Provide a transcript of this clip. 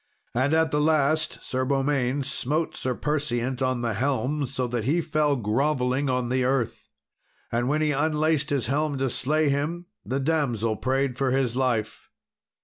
And at the last, Sir Beaumains smote Sir Perseant on the helm, so that he fell grovelling on the earth. And when he unlaced his helm to slay him, the damsel prayed for his life.